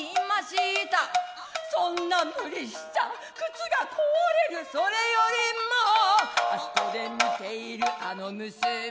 そんな無理しちゃ靴が壊れるそれよりもあすこで見ているあの娘